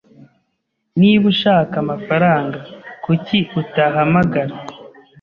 Niba ushaka amafaranga, kuki utahamagara ?